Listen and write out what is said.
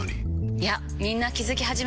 いやみんな気付き始めてます。